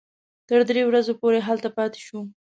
تر درې ورځو پورې هلته پاتې شوو.